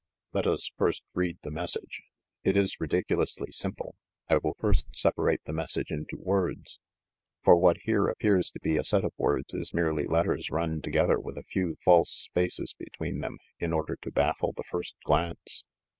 Let us first read the message. It is ridicu lously simple. I will first separate the message into words, for what here appears to be a set of words is merely letters run together with a few false spaces between them in order to baffle the first glance.